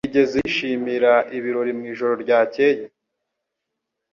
Wigeze wishimira ibirori mu ijoro ryakeye